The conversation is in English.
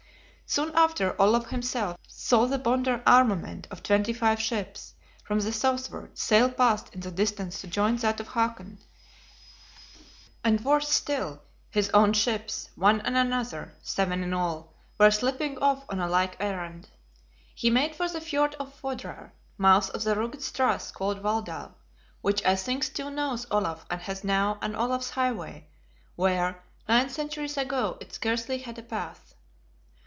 Soon after, Olaf himself saw the Bonder armament of twenty five ships, from the southward, sail past in the distance to join that of Hakon; and, worse still, his own ships, one and another (seven in all), were slipping off on a like errand! He made for the Fjord of Fodrar, mouth of the rugged strath called Valdal, which I think still knows Olaf and has now an "Olaf's Highway," where, nine centuries ago, it scarcely had a path.